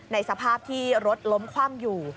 สภาพที่รถล้มคว่ำอยู่